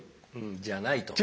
「じゃない」と。